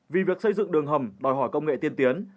vì việc xây dựng đường hầm đòi hỏi công nghệ tiên tiến